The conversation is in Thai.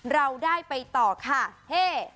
เราได้ไปต่อค่ะเฮ่